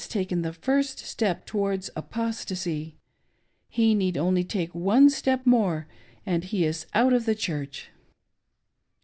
taken the first step towards apostacy ; he nfeed only take one step more, and he is out of the Church."